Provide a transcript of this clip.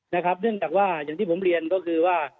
เนื่องจากว่าอย่างที่ผมเรียนก็คือว่า